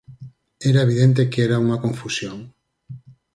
Era evidente que era unha confusión.